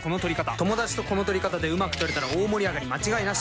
友達とこの撮り方でうまく撮れたら大盛り上がり間違いなし！